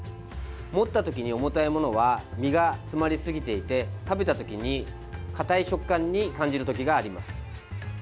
持った時に重たいものは身が詰まりすぎていて食べた時に硬い食感に感じる時があります。